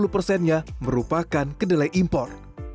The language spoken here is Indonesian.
lima puluh persennya merupakan kedelai impor